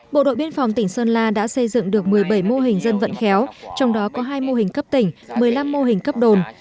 bộ đội biên phòng tỉnh sơn la đã xây dựng được một mươi bảy mô hình dân vận khéo trong đó có hai mô hình cấp tỉnh một mươi năm mô hình cấp đồn